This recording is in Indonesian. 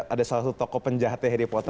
ada salah satu tokoh penjahatnya harry potter